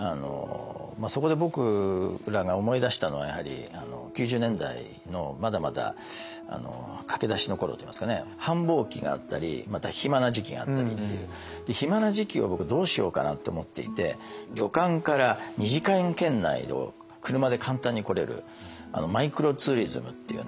そこで僕らが思い出したのはやはり９０年代のまだまだ駆け出しの頃といいますかね繁忙期があったりまた暇な時期があったりっていう暇な時期を僕どうしようかなって思っていて旅館から２時間圏内を車で簡単に来れるマイクロツーリズムっていうね